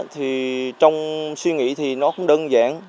thì trong suy nghĩ thì nó cũng đơn giản